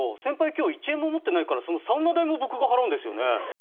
今日１円も持ってないからそのサウナ代も僕が払うんですよね。